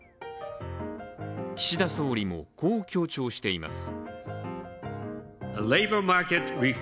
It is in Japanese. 岸田総理も、こう強調しています。